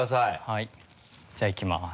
はいじゃあいきます。